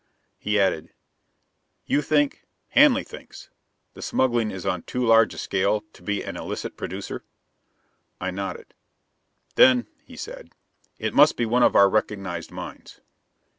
He added, "You think Hanley thinks the smuggling is on too large a scale to be any illicit producer?" I nodded. "Then," he said, "it must be one of our recognized mines."